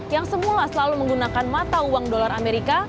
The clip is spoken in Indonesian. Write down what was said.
yang semula selalu menggunakan mata uang dolar amerika